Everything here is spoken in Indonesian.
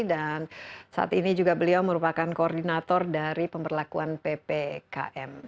dan saat ini juga beliau merupakan koordinator dari pemperlakuan ppkm